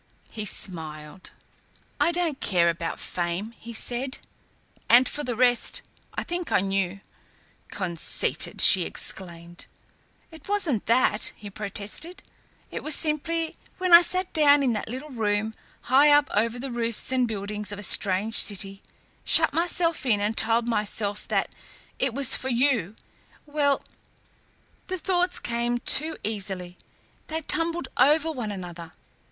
He smiled. "I don't care about fame," he said. "And for the rest, I think I knew." "Conceited!" she exclaimed. "It wasn't that," he protested. "It was simply when I sat down in that little room, high up over the roofs and buildings of a strange city, shut myself in and told myself that it was for you well, the thoughts came too easily. They tumbled over one another.